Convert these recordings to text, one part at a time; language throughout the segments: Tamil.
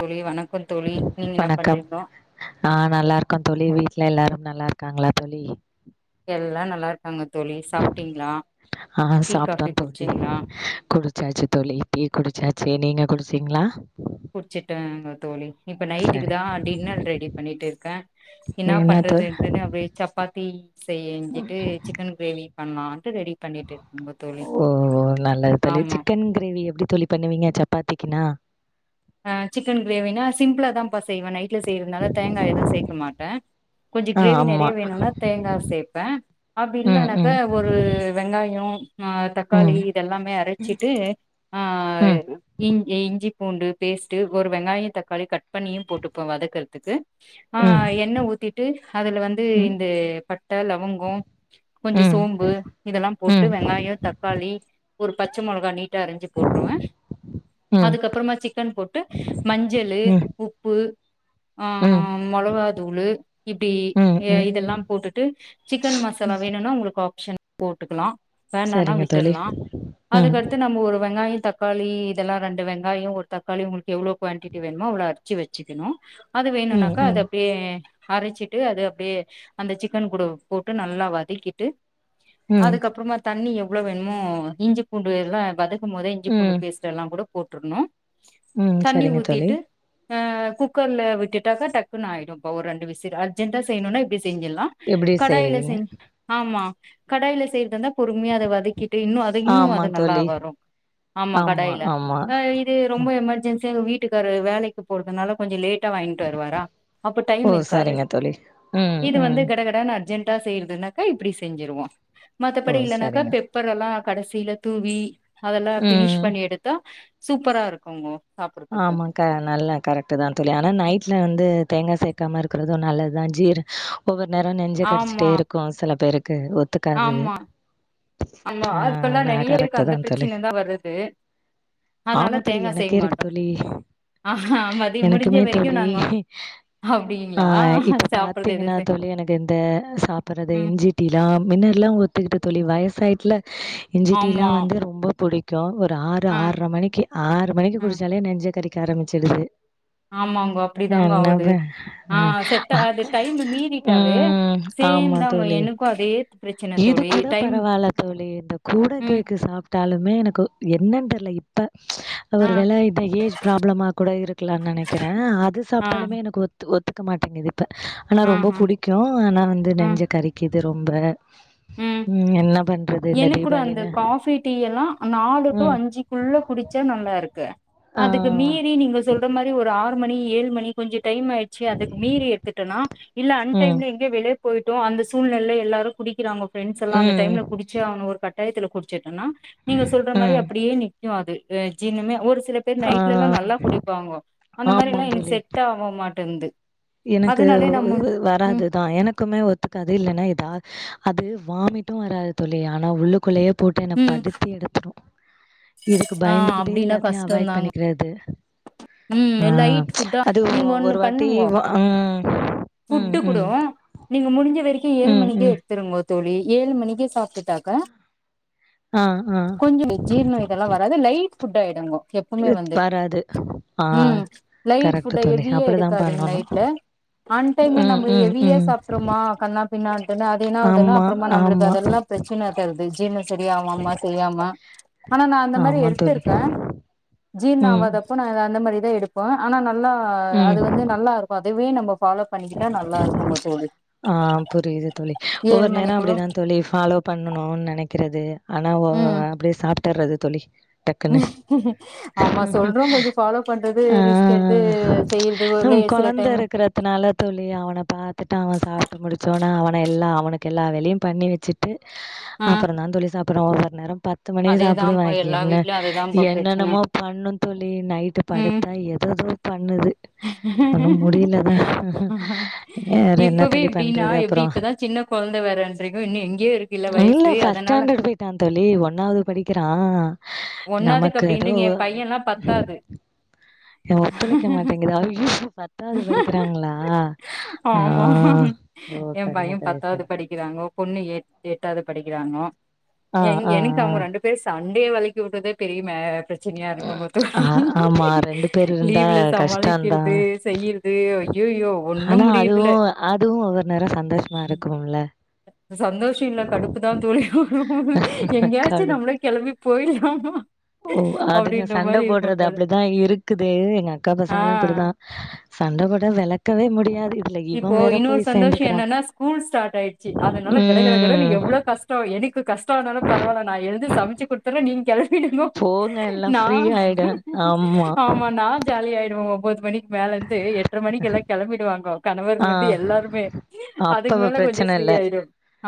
தோழி வணக்கம் தோழி நீங்க என்ன வணக்கம் பண்றீங்கோ ஆ நல்லா இருக்கோன் தோழி வீட்ல எல்லாரு நல்லா இருக்காங்களா தோழி எல்லா நல்லா இருக்காங்க தோழி சாப்ட்டீங்களா ஆ டீ சாப்ட்டோ காஃபி தோழி குடிச்சீங்களா ச்சாச்சு தோழி டீ குடிச்சாச்சே நீங்க குடிச்சீங்களா குடிச்சுட்டேன்ங்க தோழி இப்ப நைட்டுக்கு சரி தா டின்னர் ரெடி பண்ணிட்டு இருக்கே என்னா என்ன தோ பண்றதுன்டுன்னு அப்டியே சப்பாத்தி செஞ்சிட்டு சிக்கன் கிரேவி பண்லான்ட்டு ரெடி பண்ணிட்டு இருக்கங்க தோழி ஓ நல்லத் தோழி ஆமா சிக்கன் கிரேவி எப்படி தோழி பண்ணுவீங்க சப்பாத்திக்கின்னா ஆ சிக்கன் கிரேவினா சிம்பிளா தாம்ப்பா செய்வே நைட்ல செய்யறதுனால தேங்கா எதுவு சேக்க மாட்டே கொஞ்சோ ஆ கிரேவி நெறைய ஆமா. வேணும்னா தேங்காய் சேப்பே அப்டி ம் இல்லனாக்கா ம் ஒரு வெங்காயோ ஆ தக்காளி ம் இதெல்லாமே அரைச்சிட்டு ஆ ம் இஞ் இஞ்சி பூண்டு பேஸ்ட் ஒரு வெங்காயோ தக்காளி கட் பண்ணியு போட்டுப்போ வதக்கறதுக்கு ஆ ம் எண்ணெ ஊத்தி ட்டு அதுல வந்து ம் இந்த பட்டை லவங்கோ கொஞ்சோ ம் சோம்பு இதெல்லா ம் போட்டு ம் வெங்காயோ தக்காளி ஒரு பச்சை மிளகா நீட் டா அரிஞ்சி போடுருவ அதுக்கப்புறமா சிக்கன் போட்டு மஞ்சளு ம் உப் பு ஆ ம் மொளகா தூளு இப்டி ம் எ ம் இதெல்லா போட் டு சிக்கன் மசாலா வேணுனா உங்களுக்கு ஆப்ஷன் போட்டுக்கலா வேணனா சரிங்க தோழி. விட்டுலா ம் அதுக்கடுத்து நம்ம ஒரு வெங்காயோ தக்காளி இதெல்லா ரெண்டு வெங்காயோ ஒரு தக்காளி உங்களுக்கு எவ்ளோ குவான்டிட்டி வேணுமோ அவ்ளோ அரிச்சு வச்சுக்கணு அது ம் வேணும்னாக்கா அது ம் அப்டியே அரைச்சிட்டு அது அப்டியே அந்த சிக்கன் கூட போட்டு நல்லா வதக்கிட் டு ம் அதுக்கப்புறமா தண்ணி எவ்ளோ வேணுமோ இஞ்சி பூண்டு எல்லா வத க்கும் போதே இஞ்சி பூண்டு ம் பேஸ்ட் எல்லா கூட போட்ருணு ம் தண்ணி சரிங்க தோழி. ஊத்திட்டு ஆ குக்கர்ல விட்டுட்டாக்கா டக்குன்னு ஆயிடும்ப்பா ஒரு ரெண்டு விசில் அர்ஜெண்டா செய்யணும்னா இப்டி செஞ்சிடலா எப்டி கடாயில செய்வீங்க? செய் ஆமா கடாயில செய்யறதா இருந்தா பொறுமையா அதை வதக்கிட்டு இன்னு அது இன்னு ஆமா அது நல்லா தோழி வரு ஆமா கடாயில ஆ இதே ரொம்ப எமர்ஜென்சியா எங்க வீட்டுக்காரரு வேலைக் கு போறதுனால கொஞ்சோ லேட்டா வாங்கிட்டு வருவாரா அப்ப ஓ டைம் இருக்காது சரிங்க தோழி ம் இது வந்து ம் கட கட வேல அர்ஜென்டா செய்யுறதனக்கா இப்டி செஞ்சிருவோ ஓ மத்தபடி இல்லனாக்கா சரிங்க பெப் பரெல்லா கடைசியில தூவி அதெல்லா பினிஷ் ம் பண்ணி எடுத்தா சூப்பரா இருக்கு கோ ஆமா க நல்லா கரெக்டு தா தோழி ஆனா நைட்டில வந்து தேங்காய் சேர்க்காம இருக்கிறது நல்லது தா ஜீர் ஒவ்வொரு நேரோ நெஞ்ச கர்ச்சிட்டே ஆமா இருக்கு சில பேருக்கு ஒத்துக்காது ஆமா ஆமா ஆ அதுக்கெல்லா நா நெறைய இருக்கு கரெக்ட் அந்த தான் தோழி பிரச்சன தா வருது அதனால ஆமா தோழி தேங்கா செய்ய எனக்கே இருக்கு மாட்டோ தோழி ஆஹா மதிய முடிஞ்ச எனக்குமே வரைக்கு தோழி நாங்க ஆ அப்டிங்களா இப்ப சாப்பறது எது பாத்தீங்கன்னா செய் தோழி எனக்கு இந்த சாப்பிடறது ம் இஞ்சி டீ லா முன்னல்லா ஒத்துக்கிட்டு தோழி வயசாய்ட்டுல இஞ்சி டீ எல்லா ஆமா வந்து ரொம்ப புடிக் கு ஒரு ஆறு ஆ ஆற மணிக்கு ஆறு மணிக்கு ஆ குடிச்சாலே நெஞ்ச கறிக்க ஆரம்பிச்சிடுது ஆமாங்கோ அப்டி தாங்கோ என்ன ப ஆவுது ஆ செட்ட அ அ அது டைம் மீறிட்டாவே ம். சேம் ஆமா தான்ங்கோ தோழி. எனக்கு அதே பிரச்சன இது தோழி கூட டைம் பரவாயில்ல தோழி இந்த குட ம் கேக்கு சாப் டாலுமே எனக்கு எனன்னு தெரில இப்ப ஆ ஒரு வேல இத ஏஜ் ப்ராப்ளமா கூட இருக்கலான்னு நினைக்கிறே அது ஆ சாப்பிட்டாலுமே எனக்கு ஒத் ஒத் த்துக்க மாட்டேங்குது இப்ப ஆனா ஆ ரொம்ப ஆ பிடிக்கு ஆனா வந்து ஆ நெஞ்ச கறிக்குது ரொம்ப ம் என்ன பண் என கூட அந்த காபி டீ எல்லா நாலு டு ம். அஞ்சுக்குள்ள குடிச்சா நல்லா இருக்கு ஆ. அதுக்கு மீறி நீங்க சொல்ற மாரி ஒரு ஆறு மணி ஏழு மணி கொஞ்சோ டைம் ஆயி ச்சி அதுக்கு மீறி எத்துட்டனா இல்ல அன் ம். டைம்ல எங் எங்கே வெளிய போய்டோ அந்த சூழ்நெலயில எல்லாரு குடிக்கிறாங்க ஃப்ரெண்ஸ் எல்லா அந்த ம். டைம்ல குடிச்ச ஆகனு ஒரு கட்டாயத்தில குடி ச்சிடேனா நீங்க சொல்ற மாரி ம். அப்டியே நிக்கு அது ஜிரனமே ஒரு சில ர் ஆ. நைட்ல எல்லா நல்லா குடிப்பாங்கோ அந்த மாரி எல்லா ஆமாம் எனக்கு தோழி. செட் ஆகவு மாட்டேங்குது எனக்கு ஒ வராதுதா எனக்குமே ஒத் க்காது இல்லன எதா அது வாமிட்டு வராது தோழி ஆனா உள்ளுக்குள்ளயே போட்டு என ம் படுத்தி எடுத்துரு இதுக்கு ஆ பயந்துகிட்டே அப்டின்னா எல்லாத்தையு அவாய்ட் கஷ்டந்தாங்க பண்ணி றது ம் ஆ லைட் ஃபுட்டா அது ஓ நீங்க ஒரு வாட்டி உ வ அ புட்டு குடோ நீங்க முடிஞ்ச வரைக்கு ஏழு ம், மணிக்கே ம். எடுத்துடுங்கோ தோழி ஏழு மணிக்கே சாப் டாக்க ஆ, ஆ. கொஞ்சோ ஜீரணம் இதெல்லா வராது லைட் புட்டா எடுங்கோ எப்பவுமே இத் வந்து வராது. ஆ ம் லைட் கரெக்ட்டு புட்டா தோழி. ஹெவியா அப்படிதான் எடுக்காதிங்க பண்ணணும். நைட்ல அன் டைம்ல ம், நம்ம ம், ஹெவியா ம். சாப்ரோமா கன்னா பின்னான்டு அது என்ன ஆவுதுன்னா ஆமா, அப்புறமா நம்மளுக்கு ஆமா. அதெல்லா பிரச் சீனா தருது ஜீண சரியாவாம செய்யாம ஆனா நா அந்த மாரி ஆமா தோழி. எடுத்துருக்க ஜீரண ம், ஆகாதப்போ நா அந்த மாரி இத எடுப் ப ஆனா நல்லா அது ம். வந்து நல்லா இருக்கு அதுவே நம்ம பாலோ பண்ணிக்கிட்டா நல்லா இருக்குங்க தோழி ஆம் புரியுது தோழி ஏழு ஒவ்வொரு நேரோ மணிக்குள்ள அப்டிதா தோழி பாலோ பண்ணணு நெனக்கிறது ஆனா ஒ ம் அப்டியே சாப்டறது தோழி டக்குனு ஆமா சொல்றோ கொஞ்சோ ஃபாலோ பண்றது ஆஆ ரிஸ்க் எடுத்து செய்யறது ஒரு உம் சில கொழந்த டைம் இருக்கற துனால தோழி அவன பாத்துட்டு அவ சாப்ட்டு முடிச்சோனா அவன எல்லா அவனுக்கு எல்லா வேலயு பண்ணி வச்சிட் ஆ அப்புற தா தோழி சாப்புறோ ஒவ்வொரு நேர பாத் பத்து மணிக்கு சாப்டுவ அதேதான்ப்பா எல்லா என்ன வீட்லயு அதுதான்ப்பா பிரச்சன என்னென்னமோ பண்ணு தோழி நைட்டு ம் படுத்தா எதொதோ பண்ணுது ஒன்னு முடியல தா ய இப்பவே இப்டினா எப்டி இப்பதா சின்ன கொழந்த வேறன்றிங்க இன்னு எங்கேயோ இருக்குல வயசு அதனால வன்டா தோழி ஒன்னாவது படிக்கிறா ஒன்னாதுக்கு நமக்கு ஏதோ அப்டின்றீங்க எ ஒ பையன்ல்லா பத்தாது எ ஒத்துழைக்க மாட்டேங்குது ஐயையோ பத்தாவது படிக்கிறாங்ளா ஆமா ஆ ஓ எ சரிங்க பைய தோழி பத்தாவது சரி படிக்கிறாங்கோ பொண்ணு எட் எட்டாவது படிக்கிறாங்கோ ஆ ஆ எனக்கு அவுங்க ரெண்டு ஆ பேரு சண்டே வெளக் கிவுடதே பெரி மஅ பெத் பிரச்சனயா இருக்குங்க தோழி ஆ ஆமா ரெண்டு பேர் இருந்தா லீவ்ல கஷ்டந்தா சமாளிக்கிறது செய் யோ ஐயையோ ஒன்னு ஆனா முடிறதுல அதுவு அதுவு ஒவ்வொரு நேரோ சந்தோஷமா இருக்கும்ல சந்தோஷோ இல்ல கடுப் அப்பதா தோழி [unintelligible] எங்யாச்சி கடு நம்மளே கெளம்பி போய்லாமா ஓ அதுங்க சண்ட போடுறது அப்டிதா இருக்குது எங்க அக்கா பசங்களு ஆ. அப்டிதா சண்ட போட்டா வெளக்கவே முடியாது இதுல இவ இப்போ வேற இன்னொரு போய் சந்தோஷோ சேந்துக்கிறா என்னன்னா ஸ்கூல் ஸ்டார்ட் ஆயிடுச்சி அதனால கட கட டகட னு ம் எவ்ளோ காசு கஷ்டோ எனக்கு கஷ்டோனாலு பரவால நா எழுந்து சமச்சி குடுத்துறே நீங்க கெழம் விடுங்கோ போங்க எல்லா நா ஃப்ரீ ஆயிடு ஆமா நா ஜாலிய ஆய்டுவோ ஒன்போது மணிக்கு மேல இருந்து எட்ற மணி எல்லா கெளம்பிடுவாங்கோ ஆ கணவர்ல இருந்து எல்லாருமே அதுக்கு அப்ப மேல கொஞ்ச பிரச்சன ஃப்ரீ இல்ல ஆயிடு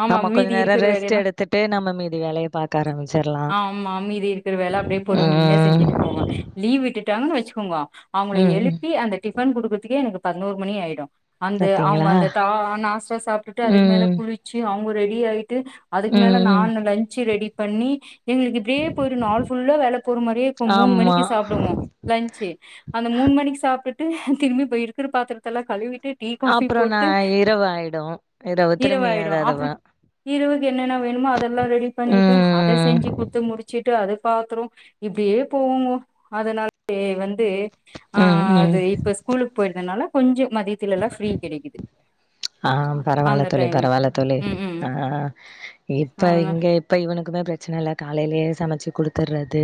ஆமா அ கொஞ்ச மீதி நேரோ இருக்குற வேல ரெஸ்ட் எலா எடுத்துட்டு நம்ம மீதி வேலைய பாக்க ஆரம்பிச்சிரலா ஆ ஆமா மீதி இருக்கிற வேல அப்டியே பொறுமையா ம் செஞ்சிட்டு போவ லீவ் விட்டுட்டாங்கன்னு வச்சுக்கோங்கோ அவுங்கள ம் ம் எழுப்பி அந்த டிஃபன் குடுக்கறதுக்கே எனக்கு பதினோரு மணி ஆய்டு அந்த அவுங்க பாத்தீங்களா அந்த தா நாஸ்டா சாப்டுட்டு அதுக்கு மேல ம் குளிச்சி அவுங்க ரெடி ஆயிட்டு அதுக்கு மேல ம் நா ம் லன்ச்சி ரெடி பண்ணி எங்களுக்கு இப்டியே போய்டுனு நாள் புல்லா வேல போற மாரியே இருக்கு மூனு ஆமா மணிக்கு சாப்டுவோ லன்சி அந்த மூனு மணிக்கு சாப்டுட்டு திரும்பி இருக்கிற பாத்திரத்த எல்லா கழுவிட்டு டீ காஃபி அப்புற நா போட்டு இரவு ஆய்டு இரவு திரும்பி இரவாயிடு அப்றோ அதாதவ இரவுக்கு என்னென்ன வேணுமோ அதெல்லா ரெடி பண்ணிட்டு அத ம் செஞ்சி குடுத்து முடிச் சிட்டு அது பாத்ரோ இப்டியே போவோங்கோ அதனால ஏ வந்து ஆ ம் அது ம் இப்ப ஸ்கூலுக்கு போயிருதுனால கொஞ்சோ மதியத்துல எல்லா ஃப்ரீ கெடைக்கிது ஆ பெரவால்ல தோழி பெரவால்ல தோழி ம் ம் ஆ ம் இப்ப அதனால இங்க இப்ப இவனுக்குமே பெரச்சன இல்ல காலையிலயே சமச்சி குடுத்துற்றது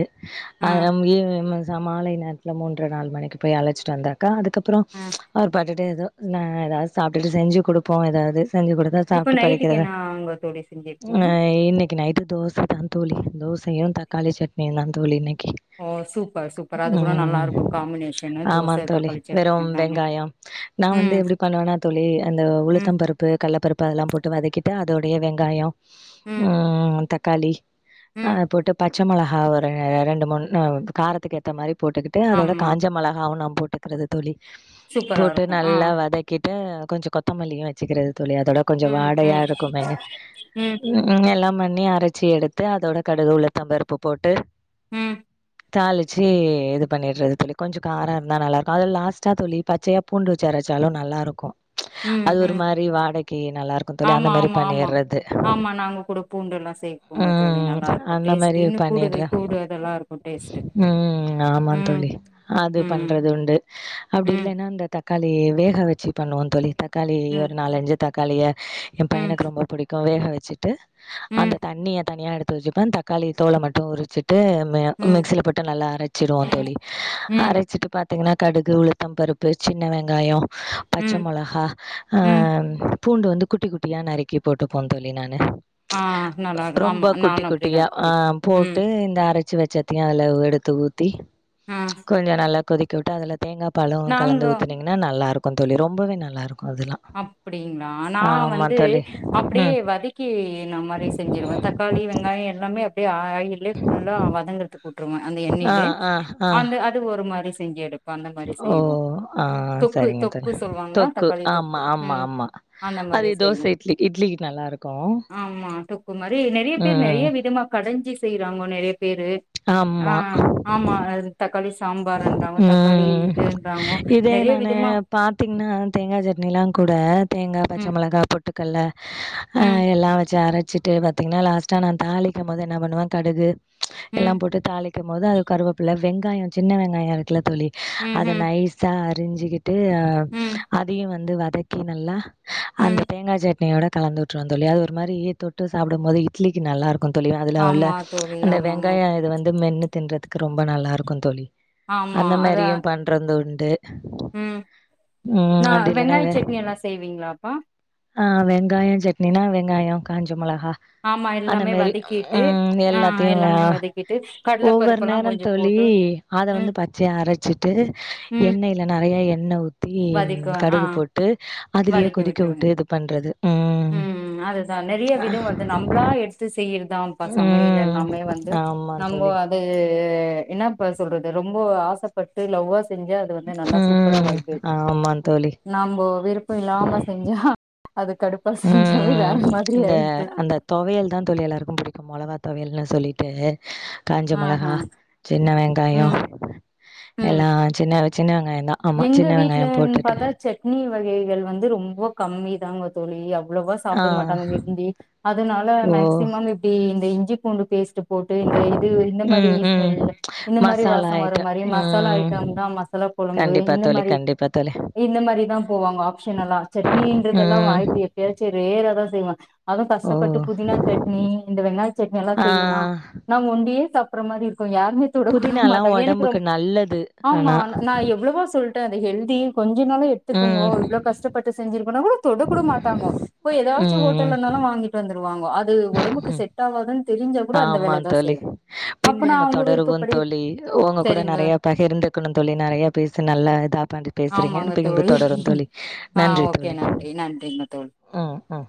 ஆ ந மாலை நேரத்ல மூன்ற நாலு மணிக்கு போய் அழச்சிட்டு வந்துருக்க அதுக்கப்றோ ஆ அவர் பாட்டுட்டு ஏதோ நா ஏதாவது சாப்ட்டுட்டு செஞ்சி கொடுப்போ ஏதாவது செஞ்சி கொடுத்திட்டு இப்ப சாப்ட்டு நைட்டுக்கு படிக்கிறது என்ன அங்க தோழி ஆ செஞ்சிருக்கீங்க இன்னக்கி நைட் தோஸ் அதா தோழி தோசையு தக்காளி சட்னியு தா தோழி இன்னைக்கி ஓ சூப்பர் சூப்பர் அது கூட நல்லா இருக்கு காம்பினேஷன்னு ஆமாந் தோச தோழி தக்காளிச்சட்னி வெறும் எல்லாமே வெங்காயம் நா வந்து ம் எப்டி பண்ணுவேன்னா தோழி அந்த ம் உளுத்தம்ப பருப்பு கடலப்பருப்பு அதெல்லா போட்டு வதக்கிட்டு அதோடைய வெங்காயோ ம் தக்காளி அ ம் போட்டு ப பச்ச மொளகா ஒரு ரெண்டு மூணு காரத்துக்கு ஏத்த மாரி போட்டுக்கிட் ட்டு அதோட ஆமா காஞ்ச மொளகா ந போட்டுக்கிறது தோழி சூப்பரா போட்டு இருக்கு ஆ நல்லா வதக்கிட்டு கொஞ்சோ கொத்தமல்லியு வச்சிக்கிறது தோழி அதோட கொஞ்சோ ம் வாடையா ம் இருக்குமேன்னு ம் நாங்க எல்லா பண்ணி அரச்சி எடுத்து அதோட கடுகு உளுத்தம்பருப்பு போட்டு ம் தாலிச்சி இது பண்ணிடுறது தோழி கொஞ்சோ காரோ இருந்தா நல்லா இருக்கு அதுல லாஸ்ட்டா தோழி பச்சையா பூண்டு வச்சு அரச்சாலு நல்லா இருக்கு ம் அது ஒரு ம் மாரி வாடக்கி நல்லா இருக்கு தோழி அந்த ஆமா மாதிரி ஆமா ஆமா பண்ணிட்றது ஆமா நாங்க கூட பூண்டு எல்லா சேப்போங்க ம் தோழி ம் நல்லா இருக்கு அந்த டேஸ்ட் மாதிரி இன்னு கூடுது பண்ணிடுறே கூடு அதெல்லா இருக்கு டேஸ்ட்டு ம் ம் ஆமா ம் தோழி அது ம் பண்றது உண்டு அப்டி ம் இல்லன்னா அந்த த தக்காளி வேக வச்சி பண்ணுவோ தோழி தக்காளி ம் ஒரு நாலஞ்சி தக்காளிய என் ம் பையனுக்கு ரொம்ப பிடிக் வேக வச்சிட்டு அந்த ம் தண்ணிய தனியா எடுத்து வச்சிப்பே தக்காளி தோல மட்டு உரிச்சி ட்டு ம் மிக்சில பட்டு நல்லா அரச் ச்டுவோ தோழி ம் அரச்சிட்டு பாத்தீங்கனா கடுகு உளுத்தம் பருப்பு சின்ன வெங்காயோ பச்ச ம் மொளகா ஆ ம் பூண்டு வந்து குட்டி குட்டியா நறுக்கி போட்டுப்போ தோழி நானு ச் ஆ நல்லா இருக்கு ரொம்ப ஆமா குட்டி நானு அப்டிதா குட்டியா தோழி ஆ ம் போட்டு இந்த அரச் ச்சிவ சட்னியு அதுல எடுத்து ஊத்தி ஆ கொஞ்சோ நல்லா கொதிக்க விட்டு அதுல தேங்கா பாலு நாங்க கலந்து ஊத்னிங்கன்னா நல்லாருக்கு தோழி ரொம்பவே நல்லாருக்கு அதலா அப்டிங்களா நா வந்து அப்டியே ம். வதக்கின மாரி செஞ்சிடுவே தக்காளி வெங்காயோ எல்லாமே அப்டியே ஆயிலேயே ஃபுல்லா வதங்கறதுக் போட்டுருவ அந்த ஆ எண்னேலே ஆ ஆ. அந்த அது ஒரு மாரி செஞ்சு எடுப் ஓ ஆ செரிங்க தொக்கு தோழி சொல்லுவாங்களா தொக்கு தக்காளி ஆம் தொக்கு ஆமா ம் ஆமா அந்த மாரி அது தோச செய்வே இட்லி இட்லிக்கு நல்லா இருக்கு ஆமா தொக்கு மாரி நெறைய பேரு நெறைய விதமா கடஞ்ஜி செய்யறாங்க நெறைய பேரு ஆ ஆமா. ஆமா அது தக்காளி சாம்பார்ன்றாங்க தக்காளி ம். இதுன்றாங்க நெறைய விதமா பாத்தீங்கன்னா தேங்கா சட்னிலா கூட தேங்கா பச்ச ம் மொளகா போட் பொட்டு கட்ல ம் எல்லா வச்சி அரச்சிட்டு பாத்தீங்கன்னா லாஸ்டா நா தாலிக்கு போது என்ன பண்ணுவே கடுகு ச் எல்லா ம் போட்டு தாலி போது அது கருவேப்ள வெங்காயோ சின்ன வெங்காயோ இருக்குல தோழி ம் அத ம் நைஸ் அறிஞ்சிக்கிட்டு அ ம் அதயு வந்து வதக்கி நல்லா ம் அந்த தேங்கா சட்னியோட கலந்து விட்டுருவோ தோழி அது ஒரு மாரி தொட்டு சாப்டு போது இட்லிக்கு நல்லா இருக் தோழி அதுல உள்ள ஆமா ச் தோழி அந்த ஆமாங்க வெங்காயோ இது வந்து மென்னு தின்றதுக்கு ரொம்ப நல்லா இருக்கு தோழி ஆமா அந்த அதா மாரியு பண்றது உண்டு ம் ம் நா அப்டி இல்லன்னா வெங்காய வெ சட்னி எல்லா செய்வீங்களாப்பா ஆ வெங்காயோ சட்னினா வெங்காயோ காஞ்ச மொளகா ஆமா அந்த எல்லாமே மாரி வதக்கிட்டு ம் ஆ எல்லாத்தையு ஆ எல்லாமே வதக்கிட்டு கடல ஒவ்வொரு பருப்பெல்லா நேரோ கொஞ்சோ தோழி போட்டு அத வந்து ம் பச்சையா அரச்சிட்டு ம் எண்ணெய்ல நெறைய எண்ணெ ஊத் தி வதக்குவே ஆ கடுகு போட்டு அதுலயே வதக்கி கொதிக்க விட்டுருவே விட்டு இது பண்றது ம் நெறைய வித வந்து நம்பளா எடுத்து செய்றதான்ப்பா சமையல் ம் எல்லாமே வந்து ஆமா நம்போ தோழி து என்னப்பா சொல்றது ரொம்ப ஆசப்பட்டு லவ்வா செஞ்சா அது வந்து நல்லா சூப்பரா ம் வருது ஆமா தோழி நாம்போ விருப்போ இல்லாம செஞ்சா அது கடுப் ம் ம் இந்த அந்த தொவையல் தா தோழி எல்லாருக்கு புடிக்கு மொளகா தொவையல்னு சொல்லிட்டு காஞ்ச மொளகா ஆஹா சின்ன வெங்காயோ ம் ம் எல்லா சின்ன சின்ன வெங்காய தா எங்க வீட்டு்லன்னு பாத்தா சட்னி வகைகள் வந்து ரொம்ப கம்மி தாங்க தோழி அவ்ளோவா ஆ சாப்ட மாட்டாங்க விரும்பி அதனால ஓ! மேக்சிமம் இப்டி இந்த இஞ்சி பூண்டு பேஸ்ட்டு போட்டு இந்த இது இந்த மாரி ம், ம். ஸ்மெல்லு இந்த மாரி வாச மசாலா வர ஐட்டம். மாரி மசாலா ம். ஐட்டம் தா மசாலா போடுங்க மே கண்டிப்பா இந்த தோழி, மாரி கண்டிப்பா தோழி. இந்த மாரி தா போவாங்க ஆப்ஷனல்லா சட்னின்றதெல்லா ம். வாய்பே எப்பயாச்சு ரேரா தா செய்வ அதுவு ஓ! கஷ்டப்பட்டு புதினா சட்னி இந்த வெங்காய சட்னி எல்லா ஆ செய்வனா நா ஒண்டியே சாப்புற மாரி இருக்கும் யாருமே தொட கூட புதினாலாம் மாட்டாங்க எனக்கு உடம்புக்கு ரொம் நல்லது ஆனா. ஆமா நா எவ் போ சொல்ட்ட அது ஹெல்த்தி கொஞ்சனாலு எத்துக்கோங்கோ ம். இவ்ளோ கஷ்டப்பட்டு செஞ்சிருக்கேனா கூட தொடக்கூட மாட்டாங்க போய் ஏதாச்சு ஹோட்டல்லனாலு ம். வாங்கி ட்டு வந்துருவாங்கோ அது ஒடம்புக்கு செட் ஆவாதுன்னு தெரிஞ்சா கூட அந்த ஆமா வேலதான் தோழி செய்வேன் அப்ப பின்பு நான் நம்ம அவங்க தொடருவோன்னு விருப்பப்படி தோழி உங்க கூட சரிங்க நெறைய பகிர்ந்துக்கணு தோழி நெறைய பேசு நல்ல இதா பண்ணு பேசுறீங்க ஆமாங்க பின்பு தோழி தொடரு தோழி ஆ நன்றி ஓகே தோழி நன்றி நன்றிங்க தோழி ம் ம்